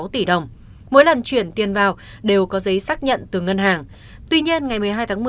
năm mươi tám sáu tỷ đồng mỗi lần chuyển tiền vào đều có giấy xác nhận từ ngân hàng tuy nhiên ngày một mươi hai tháng một mươi